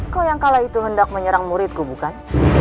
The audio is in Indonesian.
kau yang kala itu hendak menyerang muridku bukan